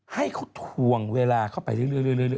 ให้เขาทวงเวลาเข้าไปเรื่อย